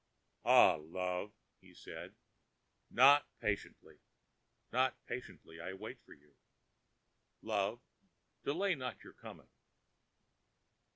ãAh, love,ã he said, ãnot patiently, not patiently, I wait for you.... Love, delay not your coming.